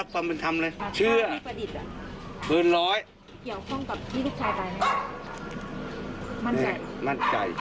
ก็แตบได้